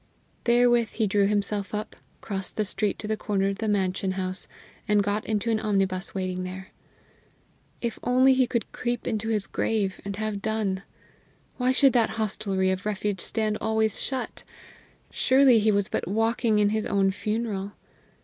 Therewith he drew himself up, crossed the street to the corner of the Mansion House, and got into an omnibus waiting there. If only he could creep into his grave and have done! Why should that hostelry of refuge stand always shut? Surely he was but walking in his own funeral!